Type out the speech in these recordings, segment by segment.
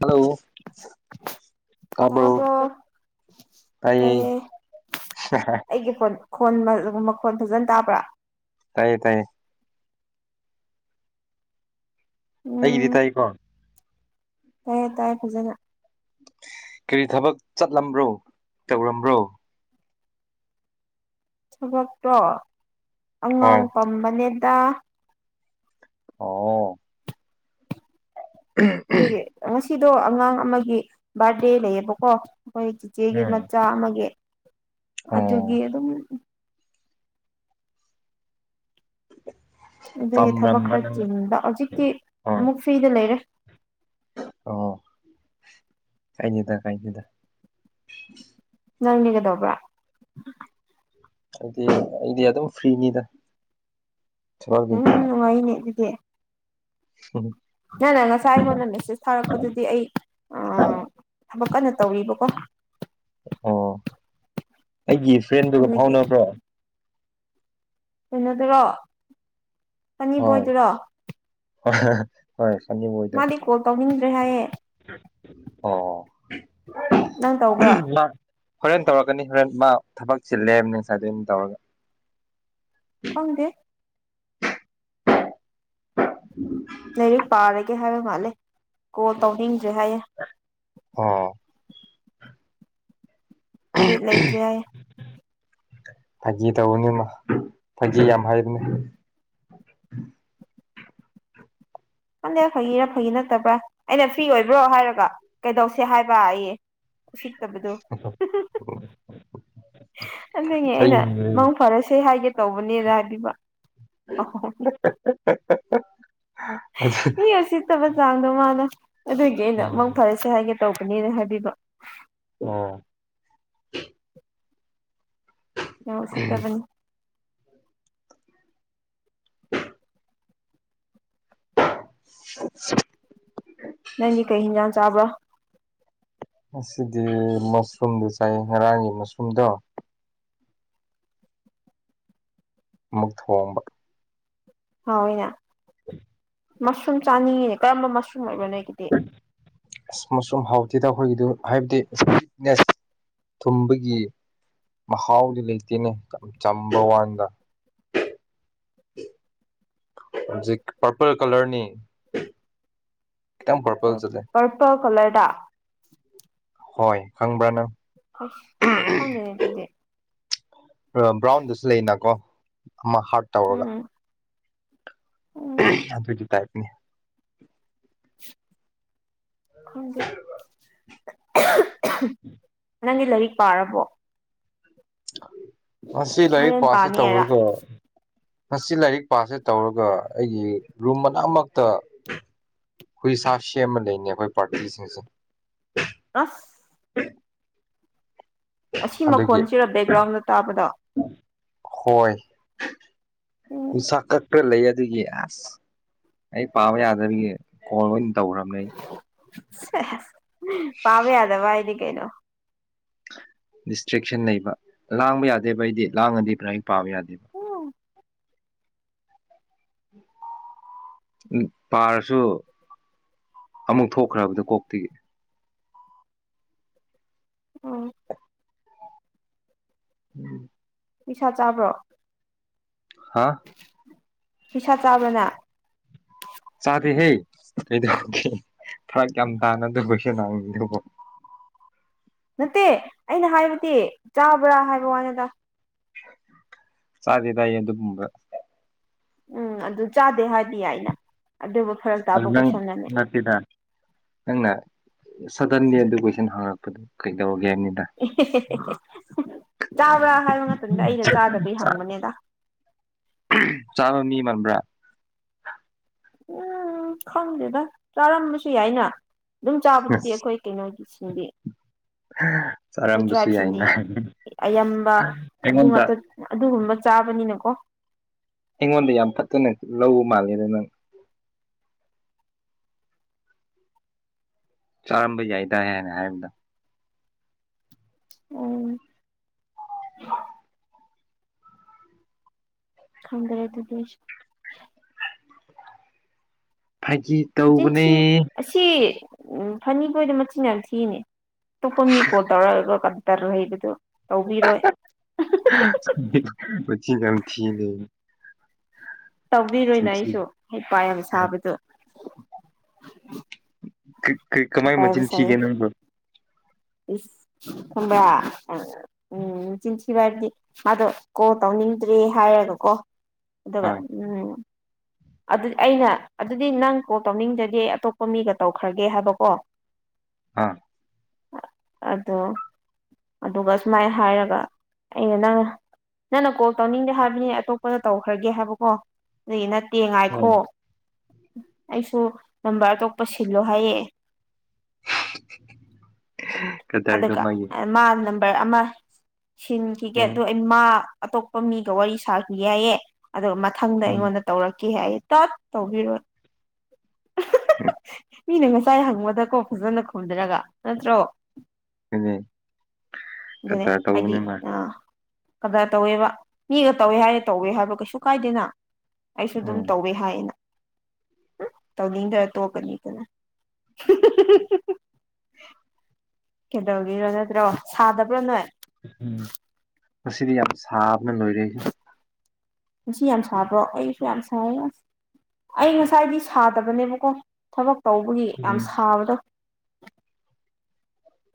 hello ꯇꯥꯕ꯭ꯔꯣ ꯑꯩ ꯇꯥꯏꯌꯦ ꯑꯩꯒꯤ ꯐꯣꯟ ꯃꯈꯣꯟ ꯃꯈꯣꯟꯜ ꯐꯖꯅ ꯇꯥꯕ꯭ꯔꯥ ꯇꯥꯏꯌꯦ ꯇꯥꯏꯌꯦ ꯑꯩꯒꯤꯗꯤ ꯎꯝ ꯇꯥꯏ ꯀꯣ ꯇꯥꯏꯌꯦ ꯇꯥꯏ ꯐꯖꯅ ꯀꯔꯤ ꯊꯕꯛ ꯆꯠꯂꯝꯕ꯭ꯔꯣ ꯇꯧꯔꯝꯕ꯭ꯔꯣ ꯊꯕꯛꯇꯣ ꯑꯉꯥꯡ ꯍꯣꯏ ꯄꯝꯕꯅꯦꯗ ꯑꯣ ꯑꯗꯨꯒꯤ ꯉꯁꯤꯗꯣ ꯑꯉꯥꯡ ꯑꯃꯒꯤ ꯕꯥꯔꯗꯦ ꯂꯩꯌꯦꯕꯀꯣ ꯑꯩꯈꯣꯏ ꯆꯤꯆꯦꯒꯤ ꯎꯝ ꯃꯆꯥ ꯑꯃꯒꯤ ꯑꯗꯨꯒꯤ ꯑꯣ ꯑꯗꯨꯝ ꯑꯗꯨꯒꯤ ꯊꯕꯛ ꯇꯝꯔꯝꯕ ꯈꯔ ꯅꯪ ꯆꯤꯟꯕ ꯍꯧꯖꯤꯛꯇꯤ ꯍꯣꯏ ꯑꯃꯨꯛ ꯐ꯭ꯔꯤꯗ ꯂꯩꯔꯦ ꯑꯣ ꯀꯥꯏꯅꯤꯗ ꯀꯥꯏꯅꯤꯗ ꯅꯪꯗꯤ ꯀꯩꯗꯧꯕ꯭ꯔꯥ ꯑꯩꯗꯤ ꯑꯩꯗꯤ ꯑꯗꯨꯝ ꯐ꯭ꯔꯤꯅꯤꯗ ꯊꯕꯛꯀꯤ ꯎꯝ ꯅꯨꯡꯉꯥꯏꯅꯦ ꯑꯗꯨꯗꯤ [inaudible] ꯅꯪꯅ ꯉꯁꯥꯏ ꯑꯩꯉꯣꯟꯗ ꯃꯦꯁꯦꯁ ꯊꯥꯔꯛꯄꯗꯨꯗꯤ ꯑꯩ ꯑꯥ ꯊꯕꯛ ꯀꯟꯅ ꯇꯧꯔꯤꯕꯀꯣ ꯑꯣ ꯑꯩꯒꯤ ꯐ꯭ꯔꯦꯟꯗꯨꯒ ꯑꯗꯨꯒꯤ ꯐꯥꯎꯅꯕ꯭ꯔꯣ ꯀꯩꯅꯣꯗꯨꯔꯣ ꯍꯣꯏ ꯁꯟꯅꯤꯕꯣꯏꯗꯨꯔꯣ ꯍꯣꯏ ꯁꯟꯅꯤꯕꯣꯏꯗꯣ ꯇꯧꯅꯤꯡꯗ꯭ꯔꯦ ꯍꯥꯏꯌꯦ ꯑꯣ ꯅꯪ ꯇꯧꯕ꯭ꯔꯣ ꯃꯥ ꯍꯣꯔꯦꯟ ꯇꯧꯔꯛꯀꯅꯤ ꯍꯣꯔꯦꯟ ꯃꯥ ꯊꯕꯛ ꯆꯤꯜꯂꯦ ꯍꯥꯏꯕꯅꯤ ꯁꯥꯏꯗꯩꯩꯅꯦ ꯇꯧꯔꯒ ꯈꯪ ꯗꯦ ꯂꯩꯔꯤꯨꯛ ꯄꯥꯔꯒꯦ ꯍꯥꯏꯕ ꯃꯥꯜꯂꯦ ꯀꯣꯜ ꯇꯧꯅꯤꯡꯗ꯭ꯔꯦ ꯍꯥꯏꯌꯦ ꯑꯣ ꯕꯤꯠ ꯂꯩꯇ꯭ꯔꯦ ꯍꯥꯏ ꯐꯥꯒꯤ ꯇꯧꯕꯅꯤ ꯃ ꯐꯥꯒꯤ ꯌꯥꯝ ꯍꯩꯕꯅꯦ ꯈꯟꯗꯦ ꯐꯒꯤꯔꯥ ꯐꯥꯒꯤ ꯅꯠꯇꯕ꯭ꯔꯥ ꯑꯩꯅ ꯐ꯭ꯔꯤ ꯑꯣꯏꯕ꯭ꯔꯣ ꯍꯥꯏꯔꯒ ꯀꯩꯗꯧꯁꯦ ꯍꯥꯏꯕ ꯑꯌꯦ ꯁꯤ ꯕꯗꯣ ꯑꯗꯨꯅꯦ ꯑꯩꯅ ꯑꯩ ꯃꯡ ꯐꯔꯁꯦ ꯍꯥꯏꯒꯦ ꯇꯧꯕꯅꯦꯅ ꯍꯥꯏꯕꯤꯕ ꯑꯗꯨ ꯃꯤ ꯎꯁꯤꯠꯇꯕ ꯆꯥꯡꯗꯣ ꯃꯥꯅꯦ ꯑꯗꯨꯒꯤ ꯑꯩꯅ ꯑꯃꯨꯛ ꯐꯔꯁꯦ ꯍꯥꯏꯒꯦ ꯇꯧꯕꯅꯦꯅ ꯍꯥꯏꯕꯤꯕ ꯑꯣ ꯅꯣ ꯎꯁꯤꯠꯇꯕꯅꯤ [inaudible] ꯅꯪꯗꯤ ꯀꯩ ꯏꯟꯖꯥꯡ ꯆꯥꯕ꯭ꯔꯣ ꯉꯁꯤꯗꯤ ꯃꯁ꯭ꯔꯨꯝꯗꯨ ꯆꯥꯏ ꯉꯔꯥꯡꯒꯤ ꯃꯁ꯭ꯔꯨꯝꯗꯣ ꯃꯨꯛ ꯊꯣꯡꯕ ꯍꯥꯎꯋꯤꯅꯥ [unintelligible] ꯃꯁ꯭ꯔꯨꯝ ꯆꯥꯅꯤꯡꯉꯦ ꯑꯁ ꯃꯁ꯭ꯔꯨꯝ ꯍꯥꯎꯇꯦꯗ ꯑꯩꯈꯣꯏꯒꯤꯗꯨ ꯍꯥꯏꯕꯗꯤ ꯅꯦꯁ ꯊꯨꯝꯕꯒꯤ ꯃꯍꯥꯎꯗꯤ ꯂꯩꯇꯦꯅꯦ ꯌꯥꯝ ꯆꯝꯕ ꯋꯥꯟꯗ ꯍꯧꯖꯤꯛ ꯄꯥꯔꯄꯜ ꯀꯂꯔꯅꯦ ꯄꯔꯄꯜ ꯀꯂꯔꯗ ꯍꯣꯏ ꯈꯪꯕ꯭ꯔꯥ ꯅꯪ ꯍꯣꯏꯁ ꯈꯪꯗꯦꯅꯦ ꯑꯗꯨꯗꯤ ꯕ꯭ꯔꯥꯎꯟꯗꯨꯁꯨ ꯂꯩꯅꯀꯣ ꯑꯃ ꯍꯥꯔꯠ ꯇꯧꯔꯒ ꯎꯝ ꯎꯝ ꯑꯗꯨꯒꯤ ꯇꯥꯏꯞꯅꯤ ꯑꯣꯏꯕ [unintelligible] ꯅꯪꯗꯤ ꯂꯥꯏꯔꯤꯛ ꯄꯥꯔꯕꯣ ꯉꯁꯤ ꯂꯥꯏꯔꯤꯛ ꯍꯣꯔꯦꯟ ꯄꯥꯁꯦ ꯄꯥꯅꯤꯔ ꯇꯧꯔꯒ ꯉꯁꯤ ꯂꯥꯏꯔꯤꯛ ꯄꯥꯁꯦ ꯇꯧꯔꯒ ꯑꯩꯒꯤ ꯔꯨꯝ ꯃꯅꯥꯛꯃꯛꯇ ꯍꯨꯏ ꯁꯥꯞ ꯁꯦꯝꯃ ꯂꯩꯅꯦ ꯑꯩꯈꯣꯏ ꯄꯥꯔꯇꯤꯁꯤꯡꯁꯦ ꯑꯁ ꯍ [unintelligible] ꯑꯁꯤ ꯃꯈꯣꯟꯁꯤꯔ ꯕꯦꯛꯒ꯭ꯔꯥꯎꯟꯗ ꯇꯥꯕꯗꯣ ꯎꯝ ꯍꯨꯏꯁꯥ ꯀꯠ ꯈꯔ ꯂꯩ ꯑꯗꯨꯒꯤ ꯑꯁ ꯑꯩ ꯄꯥꯕ ꯌꯥꯗꯕꯒꯤ ꯀꯣꯜ ꯑꯣꯏꯅ ꯇꯧꯔꯝꯅꯦ ꯑꯩ ꯁꯦꯁ ꯄꯥꯕ ꯌꯥꯗꯚꯥꯏꯗꯤ ꯀꯩꯩꯅꯣ ꯗꯤꯁꯇ꯭ꯔꯦꯛꯁꯟ ꯂꯩꯕ ꯂꯥꯡꯕ ꯌꯥꯗꯦꯕ ꯑꯩꯗꯤ ꯂꯥꯡꯉꯗꯤ ꯄ꯭ꯔꯥꯏ ꯄꯥꯕ ꯌꯥꯗꯦꯕ ꯎꯝ ꯎ ꯄꯥꯔꯁꯨ ꯑꯃꯨꯛ ꯊꯣꯛꯈ꯭ꯔꯕꯗꯣ ꯀꯣꯛꯇꯒꯤ ꯑꯣ [unintelligible] ꯍꯨꯏꯁꯥ ꯆꯥꯕ꯭ꯔꯣ ꯍꯥꯥ ꯍꯨꯏꯁꯥ ꯆꯥꯕ꯭ꯔꯥ ꯅꯪ ꯗꯩꯗ ꯒꯦꯡ ꯐꯔꯛ ꯌꯥꯝ ꯇꯥꯅꯗꯕꯒꯤꯃꯑꯣꯡꯗꯀꯣ [unintelligible] ꯅꯠꯇꯦ ꯑꯩꯅ ꯍꯥꯏꯕꯗꯤ ꯆꯥꯕ꯭ꯔꯥ ꯍꯥꯏꯕ ꯋꯥꯅꯤꯗ ꯆꯗꯦ ꯇꯥꯏ ꯌꯦ ꯑꯗꯨꯨꯝꯕ ꯎꯝ ꯑꯗꯨ ꯆꯥꯗꯦ ꯍꯥꯏꯗꯤ ꯌꯥꯏꯅ ꯑꯗꯨꯕꯨ ꯐꯔꯛ ꯇꯥꯕ ꯑꯗꯨꯅꯪ ꯀꯣꯏꯁꯟꯅꯅꯦ ꯅꯠꯇꯤꯗ [unintelligible] ꯅꯪꯅ ꯁꯗꯟꯂꯤ ꯑꯗꯨ ꯀꯣꯏꯁꯟ ꯍꯥꯡꯉꯛꯄꯗꯨ ꯀꯩꯗꯧ ꯑꯦ ꯍꯦ ꯍꯦ ꯍꯦ ꯍꯦ ꯍꯨꯝ ꯆꯥꯕ꯭ꯔꯥ ꯍꯥꯏꯕ ꯃꯇꯝꯗ ꯑꯩꯅ ꯆꯥꯗꯕꯩ ꯍꯪꯕꯅꯦꯗ ꯆꯥꯕ ꯃꯤ ꯃꯥꯟꯕ꯭ꯔꯥ ꯎꯝ ꯈꯪꯗꯦꯗ ꯆꯥꯔꯝꯕꯁꯨ ꯌꯥꯏꯅ ꯑꯗꯨꯝ ꯆꯥꯕꯗꯨꯗꯤ ꯑꯩꯈꯣꯏ ꯀꯩꯅꯣꯒꯤ ꯁꯤꯟꯕꯤ ꯑꯩꯈꯣꯏ ꯆꯥꯔꯝꯕꯁꯨ ꯇ꯭ꯔꯥꯏꯞꯁꯤꯡꯗꯤ ꯌꯥꯏꯅ ꯑꯌꯥꯝꯕ ꯑꯩꯉꯣꯟꯗ ꯑꯗꯨꯉꯥꯛꯇ ꯑꯗꯨꯒꯨꯝꯕ ꯆꯥꯕꯅꯤꯅꯀꯣ ꯑꯩꯉꯣꯟꯗ ꯌꯥꯝ ꯐꯠꯇꯅ ꯂꯧꯕ ꯃꯥꯜꯂꯦꯗ ꯅꯪ ꯆꯥꯔꯝꯕ ꯌꯥꯏꯗ ꯍꯥꯏꯦ ꯍꯥꯏꯔꯗ ꯎꯝ ꯈꯪꯗꯔꯦꯗꯗꯁ ꯐꯥꯒꯤ ꯦꯁꯤ ꯇꯧꯕꯅꯦ ꯁꯤ [unintelligible] ꯎꯝ ꯐꯅꯤ ꯈꯣꯏꯗꯣ ꯃꯆꯤꯟ ꯌꯥꯝ ꯊꯤꯅꯦ ꯑꯇꯣꯞꯄ ꯃꯤ ꯀꯣꯜ ꯇꯧꯔꯑꯒ ꯀ ꯇꯔꯣ ꯍꯩꯕꯗꯨꯣ ꯃꯆꯤꯟ ꯌꯝ ꯊꯤꯅꯦ ꯇꯧꯕꯤꯔꯣꯏꯅ ꯆꯤꯟꯊꯤ ꯑꯩꯁꯨ ꯍꯩ ꯄ ꯌꯥꯝ ꯁꯥꯕꯗꯣ ꯀ ꯀꯃꯥꯏ ꯃꯆ ꯊꯒꯦ ꯅ ꯊꯝꯕ ꯎꯝ ꯆ ꯁꯤꯚ ꯍꯥꯏꯗꯤ ꯃꯥꯗꯣ ꯀꯣꯜ ꯇꯧꯅꯤꯡꯗ꯭ꯔꯦ ꯍꯥꯏꯔꯒꯀꯣ ꯑꯗꯨꯒ ꯍꯣꯏ ꯎꯝ ꯑꯗꯨꯗꯤ ꯑꯩꯅ ꯑꯗꯨꯗꯤ ꯅꯪ ꯀꯣꯜ ꯇꯧꯅꯤꯡꯖꯒꯦ ꯑꯇꯣꯞꯄ ꯃꯤꯒ ꯇꯧꯈ꯭ꯔꯒꯦ ꯍꯥꯏꯕꯀꯣ [unintelligible] ꯑꯥ ꯑꯗꯣ ꯑꯗꯨꯒ ꯁꯨꯃꯥꯏꯅ ꯍꯥꯏꯔꯒ ꯑꯩꯅ ꯅꯪ ꯅꯪꯅ ꯀꯣꯜ ꯇꯧꯅꯤꯡꯗꯦ ꯍꯥꯏꯕꯅꯤ ꯑꯇꯣꯞꯄꯗ ꯇꯧꯈ꯭ꯔꯒꯦ ꯍꯥꯏꯕꯀꯣ ꯑꯗꯨꯗꯤ ꯅ ꯇꯦꯡꯉꯥꯏꯈꯣ ꯑꯩꯁꯨ ꯅꯝꯕꯔ ꯑꯇꯣꯞꯄ ꯁꯤꯜꯂꯣ ꯍꯥꯏꯌꯦ ꯀꯗꯔꯗꯣ ꯑꯗꯨꯒ ꯃꯥꯒꯤ ꯃꯥ ꯅꯝꯕꯔ ꯑꯃ ꯁꯤꯟꯈꯤꯒꯦ ꯎꯝ ꯑꯗꯨ ꯃꯥ ꯑꯇꯣꯞꯄ ꯃꯤꯒ ꯋꯥꯔꯤ ꯁꯥꯈꯤ ꯍꯥꯏꯌꯦ ꯑꯗꯨꯒ ꯃꯊꯪꯗ ꯑꯩꯉꯣꯟꯗ ꯇꯧꯔꯛꯈꯤ ꯑꯩ ꯇꯠ ꯇꯧꯕꯤꯔꯣ ꯎꯝ ꯃꯤꯅ ꯉꯁꯥꯏ ꯍꯪꯕꯗꯀꯣ ꯐꯖꯅ ꯈꯨꯝꯖꯔꯒ ꯅꯠꯇ꯭ꯔꯣ ꯑꯗꯨꯅꯦ ꯑꯗꯨꯗꯅꯦ ꯀꯗꯔ ꯍꯥꯏꯗꯤ ꯇꯧꯕꯅꯦ ꯃꯥ ꯀꯗꯥꯏ ꯇꯧꯋꯦꯕ ꯃꯤꯒ ꯇꯧꯋꯦ ꯍꯥꯏꯌꯦ ꯇꯧꯋꯦ ꯍꯥꯏꯕ ꯀꯩꯁꯨ ꯀꯥꯏꯗꯦꯅ ꯑꯩꯁꯨ ꯑꯗꯨꯝ ꯎꯝ ꯇꯧꯋꯦ ꯍꯥꯏꯌꯦꯅ ꯇꯧꯅꯤꯡꯗꯔ꯭ꯒ ꯇꯣꯛꯀꯅꯤꯗꯅ ꯀꯩꯗꯧꯔꯝꯃꯤꯅꯣ ꯅꯠꯇ꯭ꯔꯣ ꯁꯥꯗꯕ꯭ꯔꯣ ꯅꯣꯏ ꯃꯁꯤꯗꯤ ꯌꯥꯝ ꯁꯥꯕꯅ ꯂꯣꯏꯔꯦ ꯑꯩꯁꯨ ꯉꯁꯤ ꯌꯥꯝ ꯁꯥꯕ꯭ꯔꯣ ꯑꯩꯁꯨ ꯌꯥꯝ ꯁꯥꯏꯌꯦ ꯑꯁ ꯑꯩ ꯉꯁꯥꯏꯗꯤ ꯁꯥꯗꯕꯅꯦꯕꯀꯣ ꯊꯕꯛ ꯇꯧꯕꯒꯤ ꯌꯥꯝ ꯁꯥꯕꯗꯣ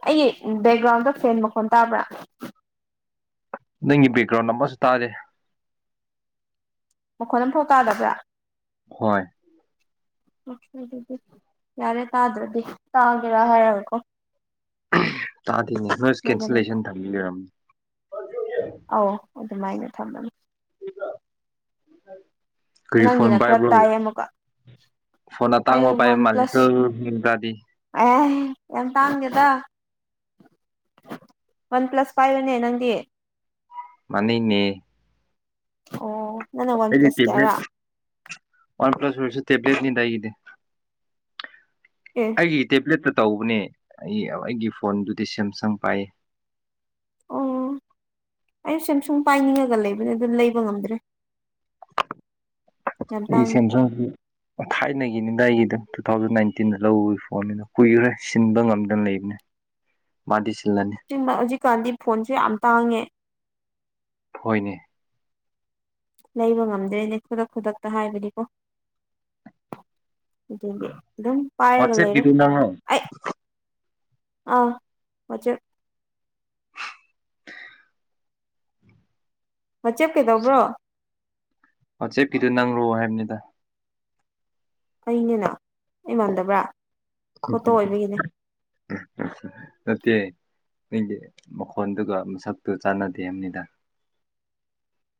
ꯑꯩꯒꯤ ꯕꯦꯛꯒ꯭ꯔꯥꯎꯟꯗ ꯐꯦꯟ ꯃꯈꯣꯟ ꯇꯥꯕ꯭ꯔꯥ ꯅꯪꯒꯤ ꯕꯦꯛꯒꯔ꯭ꯥꯟ ꯑꯃ ꯇꯥꯗꯦ ꯃꯈꯣꯟ ꯑꯃ ꯐꯥꯎ ꯇꯥꯗꯕ꯭ꯔꯥ ꯍꯣꯏ ꯑꯗꯨꯗꯤ ꯌꯥꯔꯦ ꯇꯥꯗ꯭ꯔꯗꯤ ꯇꯥꯒꯦꯔꯥ ꯍꯥꯏꯔꯒꯀꯣ ꯇꯥꯗꯦꯅꯦ ꯅꯣꯏ ꯅꯣꯏꯗꯅꯦꯗ ꯀꯦꯟꯁꯂꯦꯁꯟ ꯊꯝꯕꯤ ꯂꯩꯔꯝꯅꯤ ꯑꯧ ꯑꯗꯨꯃꯥꯏꯅ ꯊꯝꯃꯅꯤ ꯀꯔꯤ ꯅꯪꯒꯤꯅ ꯈꯔ ꯐꯣꯟ ꯥꯏꯕ꯭ꯔꯣ ꯇꯥꯏ ꯑꯃꯨꯛꯀ ꯐꯣꯟꯅꯥ ꯑꯩ ꯇꯥꯡꯕ ꯄꯥꯏ ꯋꯥꯟ ꯃꯥꯜ ꯄ꯭ꯂꯁ ꯏꯀꯗꯤ ꯑꯦ ꯌꯥꯝ ꯇꯥꯡꯝꯒꯦꯗ ꯋꯥꯟ ꯄ꯭ꯂꯁ ꯐꯥꯏꯕꯅꯦ ꯅꯪꯗꯤ ꯃꯅꯅꯦ ꯑꯣ ꯅꯪꯅ ꯋꯥꯟ ꯄ꯭ꯂꯁ ꯀꯌꯥꯔꯥ ꯑꯩꯗꯤꯠ ꯋꯥꯟ ꯄ꯭ꯂ꯭ꯂꯁꯔꯁꯨ ꯇꯦꯕ꯭ꯂꯦꯠꯗꯤ ꯑꯦ ꯑꯩꯒꯤ ꯇꯦꯕ꯭ꯂꯦꯠꯇ ꯇꯧꯕꯅꯦ ꯑꯩ ꯑꯩꯒꯤ ꯐꯣꯟꯗꯨꯗꯤ ꯁꯦꯝꯁꯪ ꯄꯥꯏꯌꯦ ꯑꯣ ꯑꯩ ꯁꯦꯝꯁꯨꯡ ꯄꯥꯏꯅꯤꯡꯉꯒ ꯂꯩꯕꯅꯦ ꯑꯗꯨꯝ ꯂꯩꯕ ꯉꯝꯗ꯭ꯔꯦ ꯌꯥꯝ ꯑꯩ ꯇꯥꯡꯉꯦ ꯁꯦꯝꯁꯪꯁꯤ ꯊꯥꯏꯅꯒꯤꯅꯤ ꯑꯗꯥ ꯑꯩꯒꯤꯗ ꯇꯨ ꯊꯥꯎꯖꯟ ꯅꯥꯏꯟꯇꯤꯟꯗ ꯂꯧꯧꯕꯒꯤ ꯐꯣꯟꯅꯤꯅ ꯀꯨꯏꯈ꯭ꯔꯦ ꯁꯤꯟꯕ ꯉꯝꯗꯅ ꯂꯩꯕꯅꯦ ꯃꯥꯗꯤꯁꯤ ꯍꯧꯖꯤꯛꯀꯥꯟꯗꯤ ꯐꯣꯟꯁꯨ ꯌꯥꯝ ꯇꯥꯡꯉꯦ ꯍꯣꯏꯅꯦ ꯂꯩꯕ ꯉꯝꯗꯣꯏꯅꯦ ꯈꯨꯗꯛ ꯈꯨꯗꯛꯇ ꯍꯥꯏꯕꯅꯤꯀꯣ ꯑꯗꯨꯗꯤ ꯑꯗꯨꯝ ꯄꯥꯏꯔꯒ ꯂꯩꯔꯦ ꯋꯥꯆꯦꯞꯀꯤꯗꯨ ꯅꯪꯔꯣ ꯑꯩ ꯑꯥ ꯃ ꯆꯠ ꯃꯆꯦꯞ ꯀꯩꯗꯧꯕ꯭ꯔꯣ ꯑꯣ ꯆꯦꯞꯀꯤꯗꯨ ꯅꯪꯔꯣꯑꯣ ꯍꯥꯏꯕꯅꯤꯗ ꯑꯩꯅꯤꯅ ꯑꯩ ꯃꯥꯟꯗꯕ꯭ꯔꯥ [unintelligible] ꯐꯣꯇꯣ ꯑꯣꯏꯕꯒꯤꯅꯦ ꯅꯠꯇꯦ ꯑꯩꯒꯤ ꯃꯈꯣꯟꯗꯨꯒ ꯃꯁꯛꯇꯨ ꯆꯥꯟꯅꯗꯦꯕꯅꯤꯗ [unintelligible]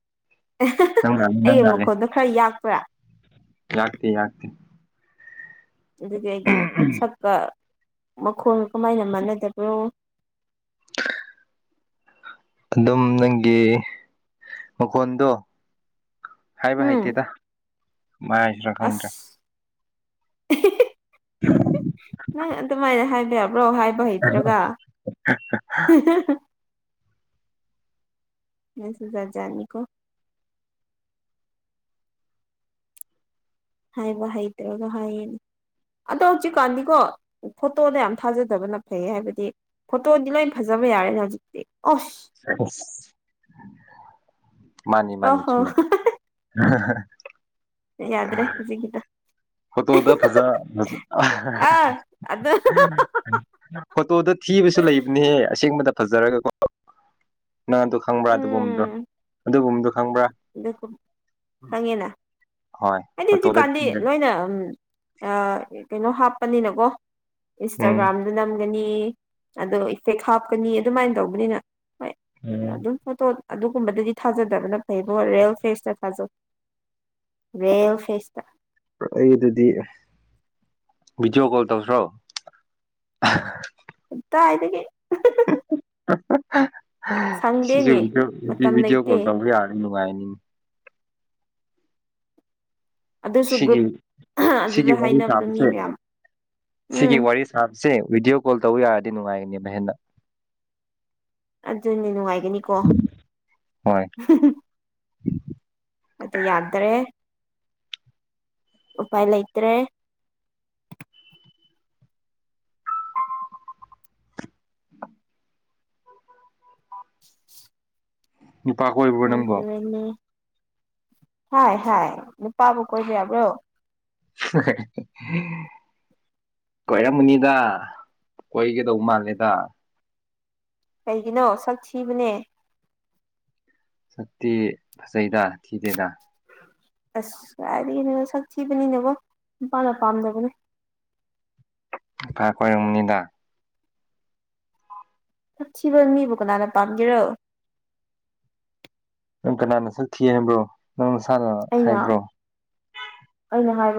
ꯅꯪ ꯂꯥꯜꯂꯤ ꯑꯩꯒꯤ ꯃꯈꯣꯟꯗꯣ ꯈꯔ ꯌꯥꯛꯄ꯭ꯔꯥ ꯌꯥꯥꯛꯇ ꯌꯥꯥꯛꯇ ꯑꯗꯨꯗꯤ ꯁꯛꯀ ꯃꯈꯣꯟꯒ ꯀꯃꯥꯏꯅ ꯃꯥꯟꯅꯗꯕꯅꯣ [unintelligible] ꯑꯗꯨꯝ ꯅꯪꯒꯤ ꯃꯈꯣꯟꯗꯣ ꯍꯥꯏꯕ ꯎꯝ ꯍꯥꯏꯇꯦꯗ ꯃꯥꯏꯁꯤꯔꯥ ꯈꯪꯗ꯭ꯔꯦ ꯑꯁ [unintelligible] ꯎ ꯅꯪ ꯑꯗꯨꯃꯥꯏꯅ ꯍꯥꯏꯕꯤꯔꯕ꯭ꯔꯣ ꯍꯥꯏꯕ ꯍꯩꯇ꯭ꯔꯒ ꯑꯦꯁꯖꯖꯥꯅꯤꯀꯣ ꯍꯥꯏꯥꯏꯕ ꯍ ꯏꯗ꯭ꯔꯣꯒ ꯍꯟ ꯑꯗꯣ ꯍꯧꯖꯤꯛꯀꯥꯟꯗꯤꯀꯣ ꯐꯣꯇꯣꯗ ꯌꯥꯝ ꯊꯥꯖꯗꯕꯅ ꯐꯩ ꯍꯥꯏꯕꯗꯤ ꯐꯣꯇꯣꯗꯤ ꯂꯣꯏ ꯐꯖꯕ ꯌꯥꯔꯦꯅꯦ ꯍꯧꯖꯤꯛꯇꯤ ꯑꯁ ꯃꯥꯅꯤ ꯃꯥꯅꯤ ꯑꯍꯣ ꯆꯨꯃꯦ [unintelligible] ꯌꯥꯗ꯭ꯔꯦ ꯍꯧꯖꯤꯒꯤꯗ ꯐꯣꯇꯣꯗ ꯐꯖ ꯑꯥ ꯑꯗꯨ ꯐꯣꯇꯣꯗ ꯊꯤꯕꯁꯨ ꯂꯩꯕꯅꯦꯍꯦ ꯑꯁꯦꯡꯕꯗ ꯐꯖꯔꯒꯀꯣ ꯅꯪꯗꯣ ꯈꯪꯕ꯭ꯔꯥ ꯑꯗꯨꯒꯨꯝꯕꯗꯣ ꯑꯗꯨꯒꯨꯝꯕꯗꯣ ꯈꯪꯕ꯭ꯔꯥ ꯍꯪꯉꯦꯅ ꯍꯣꯏ ꯍꯥꯏꯗꯤ ꯐꯣꯇꯣꯗ ꯍꯧꯖꯤꯛꯀꯥꯟꯗꯤ ꯅꯣꯏꯅ ꯎ ꯀꯩꯅꯣ ꯍꯥꯞꯄꯅꯤꯅꯀꯣ ꯎꯝ ꯏꯟꯁꯇꯥꯒ꯭ꯔꯥꯝ ꯅꯤ ꯑꯗꯣ ꯏꯐꯦꯛ ꯍꯥꯞꯀꯅꯤ ꯑꯗꯨꯃꯥꯏꯅ ꯇꯧꯕꯅꯤꯅ ꯍꯣꯏ ꯎꯝ ꯑꯗꯨꯝ ꯐꯣꯇꯣ ꯑꯗꯨꯒꯨꯝꯕꯗꯗꯤ ꯊꯥꯖꯗꯕꯅ ꯐꯩꯕꯣ ꯔꯔꯤꯌꯦꯜ ꯐꯦꯁꯇ ꯊꯥꯖ ꯔꯦ ꯐꯁꯇ ꯑꯩ ꯑꯗꯨꯗꯤ ꯚꯗꯤꯑꯣ ꯀꯣꯜ ꯇꯧꯁ꯭ꯔꯣ ꯗ ꯍꯥꯏꯗ ꯀ ꯁꯤꯁꯨ ꯃꯇꯝ ꯚꯗꯤꯑꯣ ꯂꯩꯇꯦ ꯀꯣꯜ ꯇꯧꯕ ꯌꯥꯔꯗꯤ ꯅꯨꯡꯉꯥꯏꯅꯤ ꯑꯗꯨꯁꯨ ꯁꯤꯒꯤ ꯒ꯭ꯔꯨꯞ ꯁꯤꯒꯤ ꯑꯗꯨꯗ ꯋꯥꯔꯤ ꯍꯥꯏꯅꯕꯗꯣ ꯃꯤ ꯁꯥꯁꯦ ꯃꯌꯥꯝ ꯁꯤꯒꯤ ꯎꯝ ꯋꯥꯔꯤ ꯁꯥ ꯁꯤꯦ ꯚꯤꯗꯤꯑꯣ ꯀꯣꯜ ꯇꯧꯕ ꯌꯥꯔꯗꯤ ꯅꯨꯡꯉꯥꯏꯒꯅꯤ ꯃꯍꯦꯟꯅ ꯑꯗꯨꯅꯦ ꯅꯨꯡꯉꯥꯏꯒꯅꯤꯀꯣ ꯍꯣꯏ ꯑꯗꯨ ꯌꯥꯗ꯭ꯔꯦ ꯎꯄꯥꯏ ꯂꯩꯇ꯭ꯔꯦ ꯅꯨꯄꯥ ꯀꯣꯏꯕ꯭ꯔꯣ ꯅꯪꯕꯣ ꯍꯕꯅꯤ ꯍꯥꯏ ꯍꯥꯏ ꯅꯨꯄꯥꯕꯨ ꯀꯣꯏꯕ ꯌꯥꯕ꯭ꯔꯣ [unintelligible] ꯀꯣꯏꯔꯝꯃꯨꯅꯤꯗ ꯀꯣꯏꯒꯗꯧꯕ ꯃꯥꯜꯂꯦꯗ ꯀꯩꯒꯤꯅꯣ ꯁꯛ ꯊꯤꯕꯅꯦ ꯁꯇꯤ ꯐꯁꯩꯗ ꯊꯤꯗꯦꯗꯥ ꯑꯁ ꯍꯥꯏꯗꯒꯤꯅ ꯁꯛ ꯊꯤꯕꯅꯤꯅꯦꯕꯣ ꯅꯨꯄꯥꯅ ꯄꯥꯝꯗꯕꯅꯦ ꯏ ꯐꯥ ꯀꯣꯏꯔꯨꯝꯅꯤꯗ ꯆꯠꯕ ꯃꯤꯕꯨ ꯀꯅꯥꯅ ꯄꯥꯝꯒꯦꯔꯣ ꯅꯪ ꯀꯅꯥꯅꯁꯨꯛ ꯊꯤ ꯍꯥꯏꯕ꯭ꯔꯣ ꯅꯪ ꯅꯁꯥꯅ ꯍꯥꯏꯕ꯭ꯔꯣ ꯑꯅꯦ ꯍꯥꯏ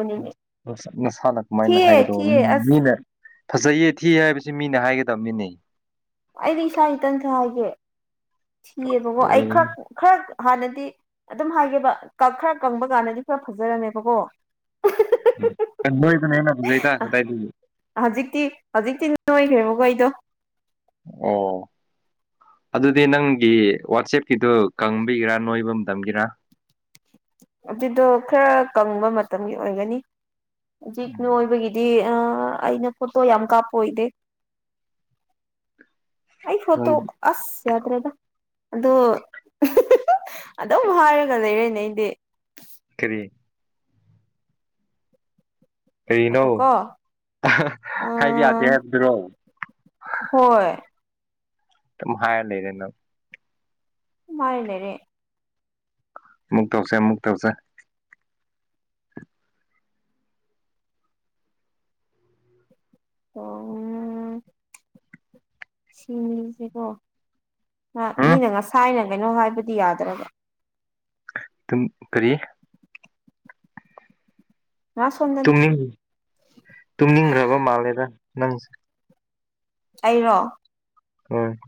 ꯅꯁꯥꯅ ꯀꯃꯥꯏꯅ ꯍꯥꯏꯒꯗꯧꯕ ꯊꯤꯌꯦ ꯑꯁ ꯃꯤꯅ ꯐꯖꯩꯌꯦ ꯊꯤ ꯍꯥꯏꯕꯁꯤ ꯃꯤꯅ ꯍꯥꯏꯒꯗꯕꯅꯤꯅ ꯁꯤꯌꯦ ꯒꯣ ꯑꯩ ꯈꯔ ꯈꯔ ꯍꯥꯟꯅꯗꯤ ꯑꯗꯨꯝ ꯍꯥꯏꯒꯦꯕ ꯗꯈꯔ ꯀꯪꯕ ꯀꯥꯟꯗꯗꯤ ꯈꯔ ꯐꯖꯔꯝꯃꯦꯕꯀꯣ ꯑꯣꯏꯗꯅ ꯍ‌ꯦꯟꯅꯥ ꯐꯖꯩꯗꯥꯥ ꯅꯣꯏꯅꯔ‌ꯦꯕꯀ‌ꯣ ꯑꯩꯗ‌ꯧ ꯑꯣ ꯑꯗꯨꯗꯤ ꯅꯪꯒꯤ ꯋꯥꯆꯦꯞꯀꯤꯗꯨꯣ ꯀꯪꯕꯤꯒꯦꯔꯥ ꯅꯣꯏꯕ ꯃꯇꯝꯒꯤꯔ ꯑꯗꯨꯗꯣ ꯈꯔ ꯀꯪꯕ ꯃꯇꯝꯒꯤ ꯑꯣꯏꯒꯅꯤ ꯍꯧꯖꯤꯛ ꯅꯣꯏꯕꯒꯤꯗꯤ ꯑꯥ ꯑꯩꯅ ꯐꯣꯠꯇꯣ ꯌꯥꯝ ꯀꯥꯞꯄ ꯑꯣꯏꯗꯦ ꯑꯩ ꯐꯣꯇꯣ ꯅꯣꯏ ꯑꯁ ꯌꯥꯗ꯭ꯔꯦꯗ ꯑꯗꯨꯗꯣ ꯑꯗꯨꯝ ꯍꯥꯏꯔꯒ ꯂꯩꯔꯦꯅꯦ ꯑꯩꯗꯤ ꯀꯔꯤ ꯀꯔꯤꯅꯣ ꯉꯥꯏꯈꯣꯀꯣ ꯍꯥꯏꯕ ꯌꯥꯗꯦ ꯍꯥꯏꯕꯗꯨꯔꯣ ꯍꯣꯏꯣꯏ ꯇ ꯍꯥ ꯂꯩ ꯂꯩꯅꯣ ꯃꯥ ꯂꯩꯦꯔꯦ ꯃꯨꯛ ꯇꯧꯁꯦꯃꯨꯛꯇ ꯇꯧꯁꯦ ꯑꯣ ꯁꯤꯅꯤꯁꯦꯀꯣ ꯃꯤꯅ ꯉꯁꯥꯏꯅ ꯀꯩꯅꯣ ꯍꯥꯏꯕꯗꯤ ꯌꯥꯗ꯭ꯔꯕ ꯑꯗꯨꯝ ꯀꯔꯤ ꯉꯥ ꯁꯣꯝꯗꯅꯦ ꯇꯨꯝꯅꯤꯡ ꯇꯨꯝꯅꯤꯡꯈ꯭ꯔꯕ ꯃꯥꯜꯂꯦꯗ ꯅꯪꯁꯦ ꯑꯩꯔꯣ ꯎꯝ